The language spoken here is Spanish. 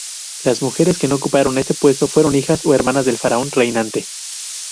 Las mujeres que ocuparon este puesto fueron hijas o hermanas del faraón reinante.